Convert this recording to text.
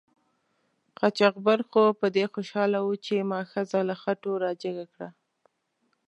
قاچاقبر خو په دې خوشحاله و چې ما ښځه له خټو را جګه کړه.